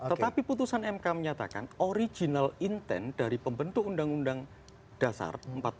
tetapi putusan mk menyatakan original intent dari pembentuk undang undang dasar empat puluh lima